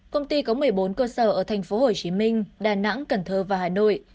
công ty có một mươi bốn cơ sở ở thành phố hồ chí minh đà nẵng cần thơ và hà nội